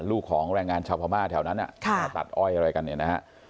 ลูกของแรงงานชาวภามาร์แถวนั้นตัดอ้อยอะไรกัน